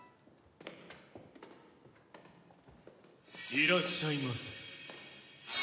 いらっしゃいませ。